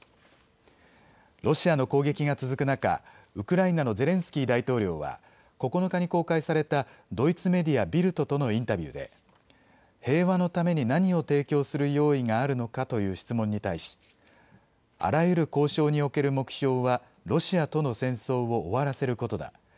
ロシアの攻撃が続く中、ウクライナのゼレンスキー大統領は９日に公開されたドイツメディア、ビルトとのインタビューで平和のために何を提供する用意があるのかという質問に対し、あらゆる交渉における目標はロシアとの戦争を終わらせることだ。